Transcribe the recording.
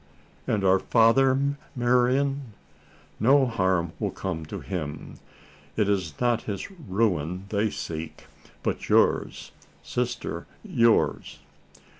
"And our father, Marian?" "No harm will come to him. It is not his ruin they seek; but yours, sister, yours!"